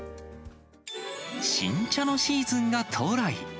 新茶のシーズンが到来。